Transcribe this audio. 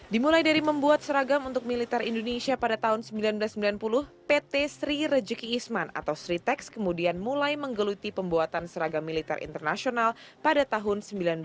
dimulai dari membuat seragam untuk militer indonesia pada tahun seribu sembilan ratus sembilan puluh pt sri rejeki isman atau sri teks kemudian mulai menggeluti pembuatan seragam militer internasional pada tahun seribu sembilan ratus sembilan puluh